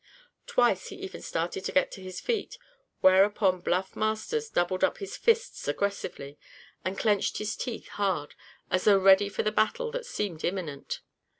Twice he even started to get to his feet, whereupon Bluff Masters doubled up his fists aggressively, and clenched his teeth hard, as though ready for the battle that seemed imminent.